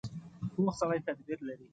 پوخ سړی تدبیر لري